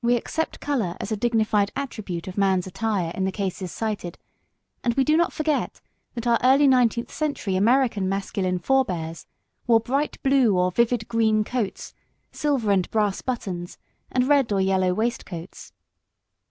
We accept colour as a dignified attribute of man's attire in the cases cited, and we do not forget that our early nineteenth century American masculine forebears wore bright blue or vivid green coats, silver and brass buttons and red or yellow waistcoats.